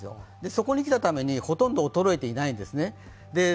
そこに来たために、ほとんど衰えていないんですね。